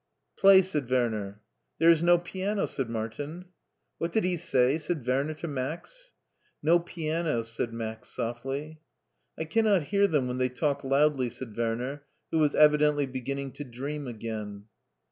" Play/' said Werner. There is no piano," said Martin. What did he say? " said Werner to Max. No piano/' said Max, softly. I cannot hear them when they talk loudly," said Werner, who was evidently beginning to dream again.